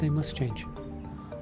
dan mereka harus berubah